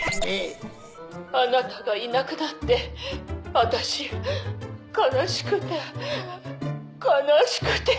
あなたがいなくなって私悲しくて悲しくて。